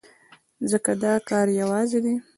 ځکه دا کار يوازې